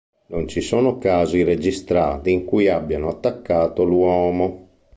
Non ci sono casi registrati in cui abbiano attaccato l'uomo.